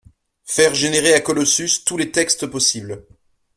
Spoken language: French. faire générer à Colossus tous les textes possibles